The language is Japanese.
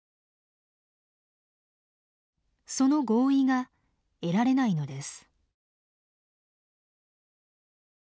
その合意が得られないのです。